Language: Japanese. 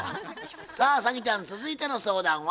さあ早希ちゃん続いての相談は？